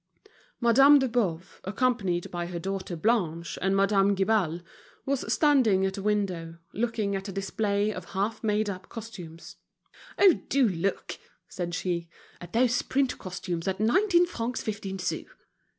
Madame de Boves, accompanied by her daughter Blanche and Madame Guibal, was standing, at a window, looking at a display of half made up costumes. "Oh! do look," said she, "at those print costumes at nineteen francs fifteen sous!"